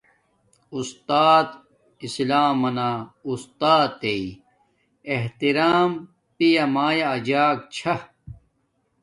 اُستات اسلامنا اُستاتݵ احترام پیامیا اجگ چھا